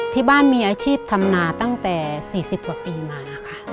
ที่บ้านมีอาชีพทำนาตั้งแต่๔๐กว่าปีมาค่ะ